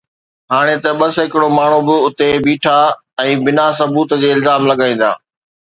هاڻي ته ٻه سيڪڙو ماڻهو به اٿي بيٺا ۽ بنا ثبوت جي الزام لڳائيندا